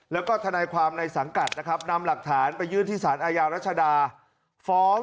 แล้วก็ทนายความในสังกัดนะครับนำหลักฐานไปยื่นที่สารอาญารัชดาฟ้อง